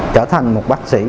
trở thành một bác sĩ